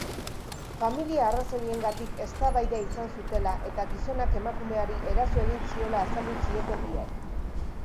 Familia-arrazoiengatik eztabaida izan zutela eta gizonak emakumeari eraso egin ziola azaldu zieten biek.